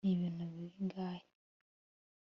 Nibintu bingahe